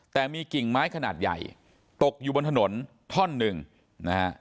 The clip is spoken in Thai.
แต่มีกิ่งไม้ขนาดใหญ่ตกอยู่บนถนนท่อนหนึ่งนะฮะ